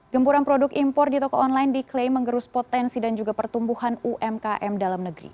gempuran produk impor di toko online diklaim menggerus potensi dan juga pertumbuhan umkm dalam negeri